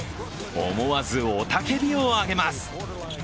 思わず雄たけびを上げます。